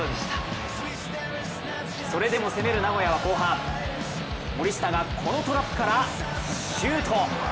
それでも攻める名古屋は後半、森下がこのトラップからシュート！